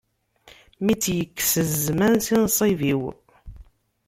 Mi tt-yekkes zzman si nṣib-iw.